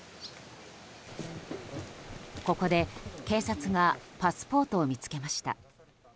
ここで、警察がパスポートを見つけました。